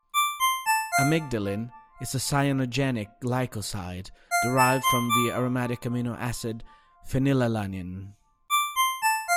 Amygdalin is a cyanogenic glycoside derived from the aromatic amino acid phenylalanine.